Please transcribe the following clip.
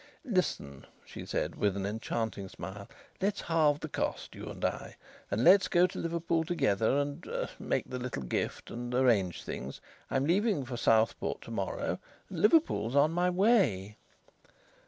"Listen," she said, with an enchanting smile. "Let's halve the cost, you and I. And let's go to Liverpool together, and er make the little gift, and arrange things. I'm leaving for Southport to morrow, and Liverpool's on my way."